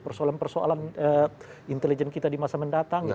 persoalan persoalan intelijen kita di masa mendatang